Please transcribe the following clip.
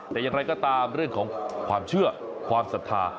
แต่อย่างไรก็ตามเรื่องของความเชื่อความศรัทธา